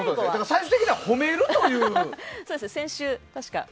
最終的には褒めるという。